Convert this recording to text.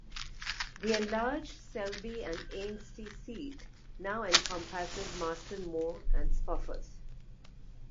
The enlarged Selby and Ainsty seat now encompasses Marston Moor and Spofforth.